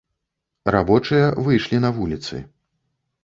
Рабочыя выйшлі на вуліцы.